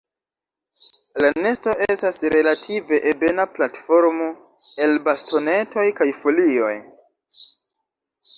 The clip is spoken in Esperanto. La nesto estas relative ebena platformo el bastonetoj kaj folioj.